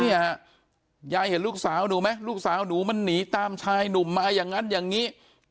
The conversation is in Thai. เนี่ยฮะยายเห็นลูกสาวหนูไหมลูกสาวหนูมันหนีตามชายหนุ่มมาอย่างนั้นอย่างนี้